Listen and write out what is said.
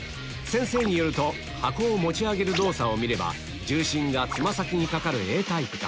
先生によると箱を持ち上げる動作を見れば重心が爪先にかかるＡタイプか